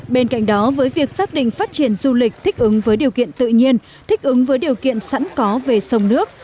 bên cạnh đó với việc xác định phát triển du lịch thích ứng với điều kiện tự nhiên thích ứng với điều kiện sẵn có về sông nước